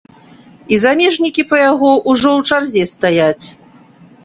І замежнікі па яго ўжо ў чарзе стаяць.